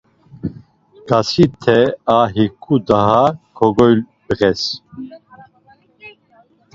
Ǩasite a hiǩu daha kogoyabğes.